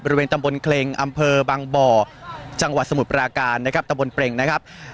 บริเวณตำบลเคลงอำเภอบางบ่อจังหวัดสมุทรปราการนะครับตะบนเปรงนะครับ